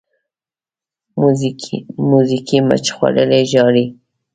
موزیګی مچ خوړلی ژاړي.